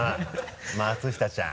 松下ちゃん。